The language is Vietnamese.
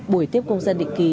buổi tiếp công dân định kỳ